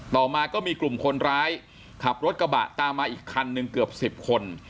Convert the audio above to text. ต่อมาก็มีกลุ่มคนร้ายขับรถกระบะตามมาอีกคันหนึ่งเกือบ๑๐คน